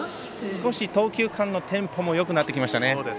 少し投球間のテンポもよくなってきましたね。